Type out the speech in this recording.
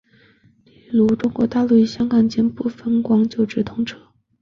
例如中国大陆与香港间部分广九直通车。